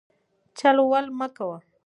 چل ول مه کوئ.